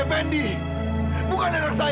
lepas kamu bukan moonshot